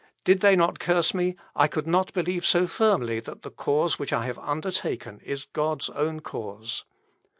Did they not curse me, I could not believe so firmly that the cause which I have undertaken is God's own cause.